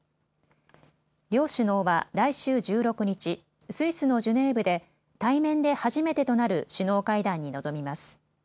両首脳は来週１６日、スイスのジュネーブで対面で初めてとなる首脳会談に臨みます。